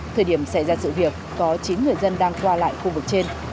thời điểm xảy ra sự việc có chín người dân đang qua lại khu vực trên